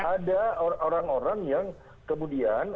ada orang orang yang kemudian